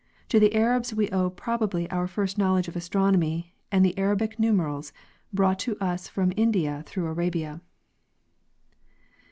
To the Arabs we owe probably our first knowledge of astronomy and the Arabic numerals, brought to us from India through Arabia.